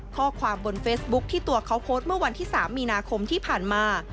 ข้อความบนเฟซบุ๊คที่ตัวเขาโพสต์เมื่อวันที่๓มีนาคมที่ผ่านมา